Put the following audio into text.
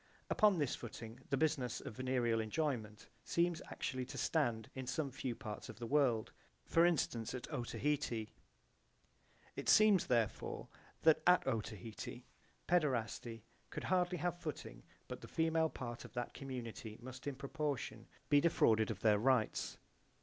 Upon this footing the business of venereal enjoyment seems actually to stand in some few parts of the world, for instance at Otaheite. It seems therefore that at Otaheite paederasty could hardly have footing, but the female part of that community must in proportion be defrauded of their rights.